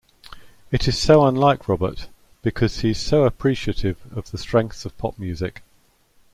It's so unlike Robert, because he's so appreciative of the strengths of pop music.